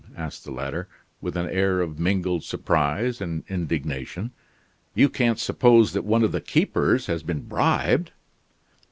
asked the latter, with an air of mingled surprise and indignation. "You can't suppose that one of the keepers has been bribed?"